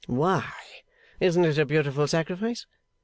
Why, isn't it a beautiful sacrifice?